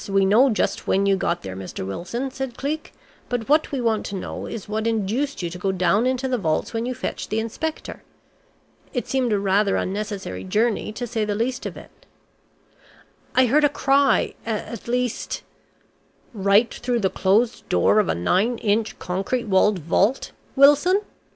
We know just when you got there, Mr. Wilson," said Cleek, "but what we want to know is what induced you to go down into the vaults when you fetched the inspector? It seemed a rather unnecessary journey to say the least of it." "I heard a cry at least " "Right through the closed door of a nine inch concrete walled vault, Wilson?"